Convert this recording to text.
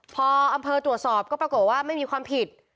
พออำเภอตรวจสอบก็ปรากฏว่าไม่มีความผิด